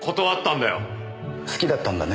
好きだったんだね